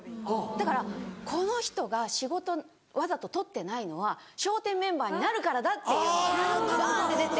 だからこの人が仕事わざと取ってないのは笑点メンバーになるからだっていうのでばんって出て。